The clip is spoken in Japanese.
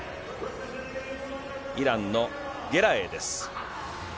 イランのゲラエイです。